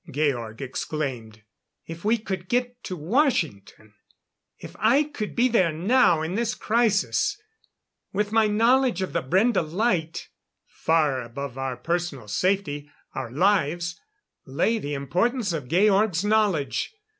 Georg exclaimed. "If we could get to Washington if I could be there now in this crisis with my knowledge of the Brende light " Far above our personal safety, our lives, lay the importance of Georg's knowledge.